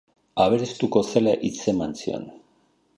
Aberastuko zela hitzeman zion.